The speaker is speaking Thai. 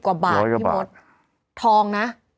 ๑๖๐กว่าบาททางนี้ทองน่ะ